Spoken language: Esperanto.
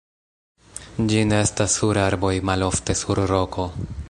Ĝi nestas sur arboj, malofte sur roko.